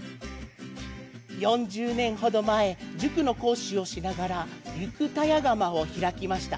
４０年ほど前、塾の講師をしながら横田屋窯を開きました。